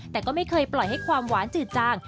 แต่ก็ไม่เคยปล่อยให้ความหวานจืดจาง